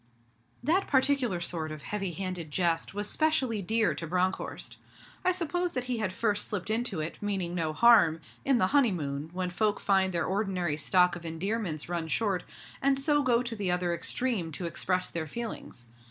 That particular sort of heavy handed jest was specially dear to Bronckhorst. I suppose that he had first slipped into it, meaning no harm, in the honeymoon, when folk find their ordinary stock of endearments run short, and so go to the other extreme to express their feelings.